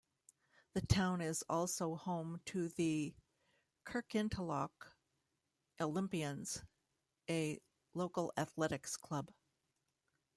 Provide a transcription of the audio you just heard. The town is also home to the "Kirkintilloch Olympians", a local athletics club.